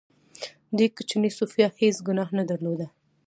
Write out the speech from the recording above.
دې کوچنۍ سوفیا هېڅ ګناه نه درلوده